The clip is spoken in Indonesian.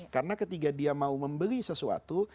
karena ketika dia mau membeli sesuatu